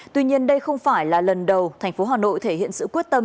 tuy nhiên đây không phải là lần đầu thành phố hà nội thể hiện sự quyết tâm